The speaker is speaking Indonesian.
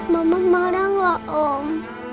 mama marah gak om